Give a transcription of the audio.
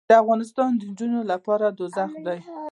دافغانستان د نجونو لپاره دوزخ دې